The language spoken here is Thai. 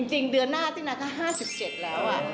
เออจริงเดือนหน้าตินาก็ห้าสิบเจ็บแล้ว